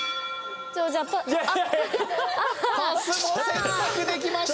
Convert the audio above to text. パスも選択できましたが。